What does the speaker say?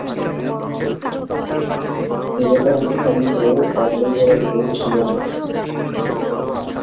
এই ব্যাপারে শিক্ষা দিতে তার পরিবারে কেউ ছিল না।